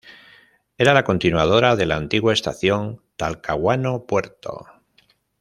Era la continuadora de la antigua estación Talcahuano-Puerto.